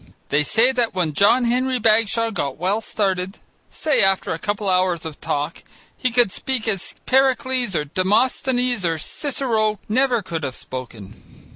They say that when John Henry Bagshaw got well started, say after a couple of hours of talk, he could speak as Pericles or Demosthenes or Cicero never could have spoken.